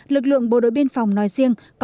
lực lượng bộ đội biên phòng nói riêng